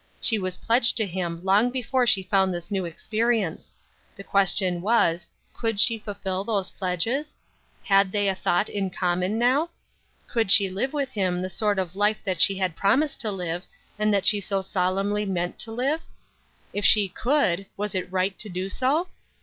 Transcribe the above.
She was pledged to him long before she found this new experience. The question was, Could she fulfil those pledges? Had they a thought in common now? Could she live with him the sort of life that she had promised to live, and that she solemnly meant to live? If she could, was it right to do so?